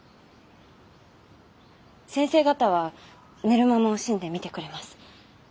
先生方は寝る間も惜しんで診てくれます。